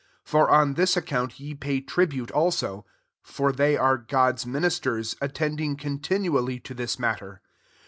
6 For on this account ye pay tribute also: for they are Grod's minis ters, attending continually to this matter.